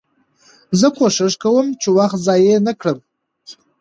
زه کوښښ کوم، چي وخت ضایع نه کړم.